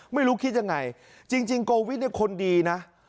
ไม่รู้คิดยังไงจริงโกวิทเนี่ยคนดีนะ